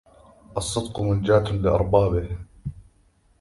الصدق منجاة لأربابه